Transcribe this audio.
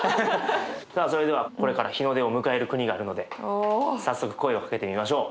さあそれではこれから日の出を迎える国があるので早速声をかけてみましょう。